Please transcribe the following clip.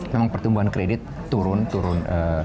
memang pertumbuhan kredit turun turun